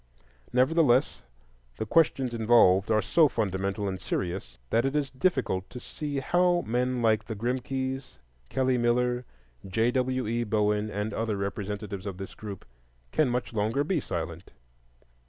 Nevertheless, the questions involved are so fundamental and serious that it is difficult to see how men like the Grimkes, Kelly Miller, J. W. E. Bowen, and other representatives of this group, can much longer be silent.